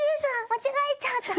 間違えちゃった！